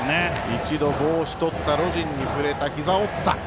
一度帽子をとったロジンに触れた、ひざ折った。